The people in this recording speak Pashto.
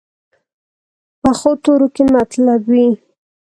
پخو تورو کې مطلب وي